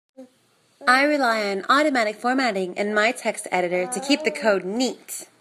I rely on automatic formatting in my text editor to keep the code neat.